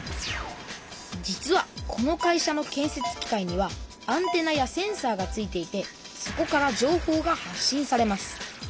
実はこの会社の建せつ機械にはアンテナやセンサーがついていてそこからじょうほうが発信されます。